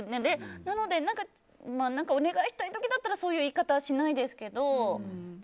なのでお願いしたい時だったらそういう言い方はしないですけど。